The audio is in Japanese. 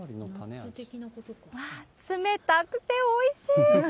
あー、冷たくておいしい！